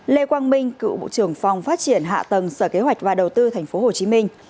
lê quang minh cựu bộ trưởng phòng phát triển hạ tầng sở kế hoạch và đầu tư thành phố hồ chí minh